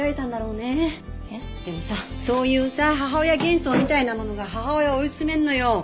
えっ？でもさそういうさ母親幻想みたいなものが母親を追い詰めるのよ。